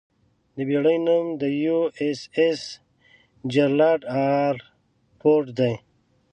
د بېړۍ نوم 'یواېساېس جېرالډ ار فورډ' دی.